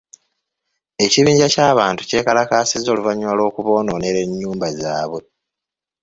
Ekibinja ky'abantu kyekalakaasizza oluvannyuma lw'okuboonoonera ennyumba zaabwe.